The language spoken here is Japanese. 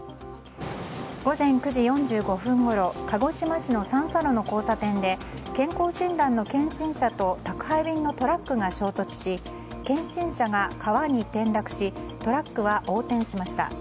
午前９時４５分ごろ鹿児島市の三叉路の交差点で健康診断の検診車と宅配便のトラックが衝突し検診車が川に転落しトラックは横転しました。